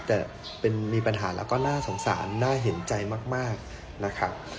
แต่มีปัญหาแล้วก็น่าสงสารน่าเห็นใจมากนะครับ